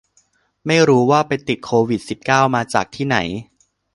ไม่รู้ว่าไปติดโควิดสิบเก้ามาจากที่ไหน